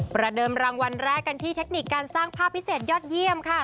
ประเดิมรางวัลแรกกันที่เทคนิคการสร้างภาพพิเศษยอดเยี่ยมค่ะ